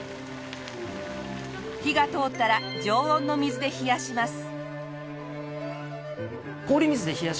火が通ったら常温の水で冷やします。